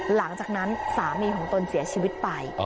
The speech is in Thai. หลังจากนั้นสามีของตนเสียชีวิตไป